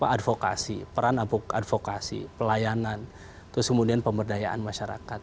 advokasi peran advokasi pelayanan terus kemudian pemberdayaan masyarakat